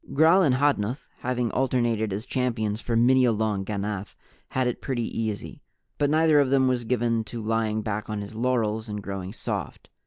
Gral and Hodnuth, having alternated as champions for many a long ganath, had it pretty easy. But neither of them was given to lying back on his laurels and growing soft.